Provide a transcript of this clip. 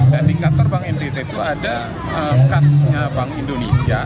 dan di kantor bank ntt itu ada kasnya bank indonesia